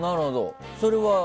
それは？